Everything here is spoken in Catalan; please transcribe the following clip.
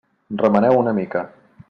Remeneu-ho una mica.